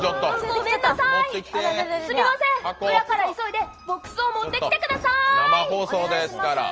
ごめんなさい、裏から急いでボックスを持ってきてください。